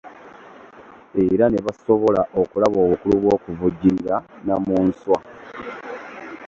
Era ne basobola okulaba obukulu bw'okuvujjirira Nnamunswa.